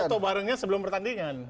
foto barengnya sebelum pertandingan